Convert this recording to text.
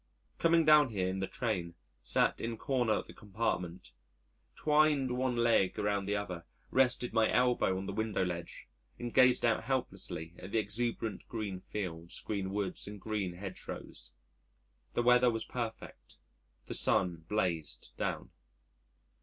Coming down here in the train, sat in corner of the compartment, twined one leg around the other, rested my elbow on the window ledge, and gazed out helplessly at the exuberant green fields, green woods, and green hedgerows. The weather was perfect, the sun blazed down.